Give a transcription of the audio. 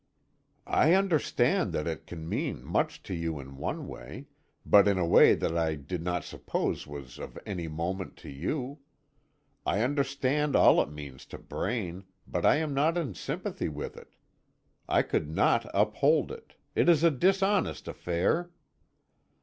"I understand that it can mean much to you in one way but in a way that I did not suppose was of any moment to you. I understand all it means to Braine, but I am not in sympathy with it. I could not uphold it it is a dishonest affair."